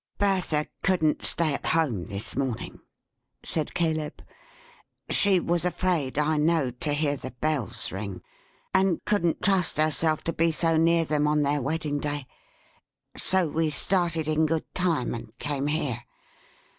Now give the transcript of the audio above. "Bertha couldn't stay at home this morning," said Caleb. "She was afraid, I know, to hear the Bells ring: and couldn't trust herself to be so near them on their wedding day. So we started in good time, and came here.